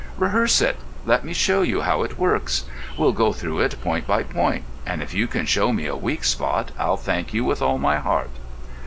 "Rehearse it. Let me show you how it works. We'll go through it point by point—and if you can show me a weak spot, I'll thank you with all my heart."